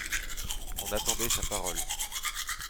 On attendait sa parole.